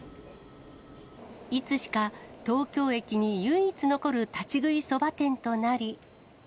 いつしか東京駅に唯一残る立ち食いそば店となり。